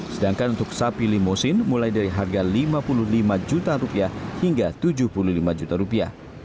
sedangkan untuk sapi limusin mulai dari rp lima puluh lima juta hingga rp tujuh puluh lima juta